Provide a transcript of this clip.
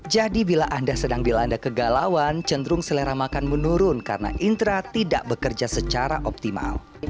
jadi bila anda sedang dilanda kegalauan cenderung selera makan menurun karena intra tidak bekerja secara optimal